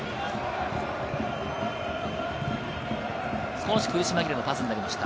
少し苦し紛れのパスになりました。